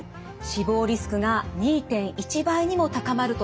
死亡リスクが２．１倍にも高まるとされています。